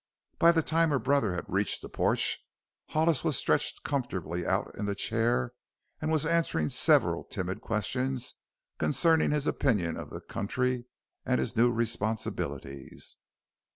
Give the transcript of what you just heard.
By the time her brother had reached the porch Hollis was stretched comfortably out in the chair and was answering several timid questions concerning his opinion of the country and his new responsibilities.